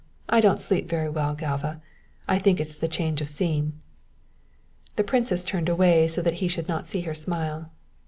I don't sleep very well, Galva. I think it's the change of scene." The princess turned away so that he should not see her smile.